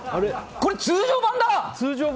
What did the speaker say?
これ通常版だ！